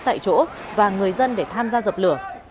tại chỗ và người dân để tham gia dập lửa